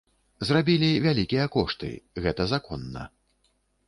Зрабілі вялікія кошты, гэта законна.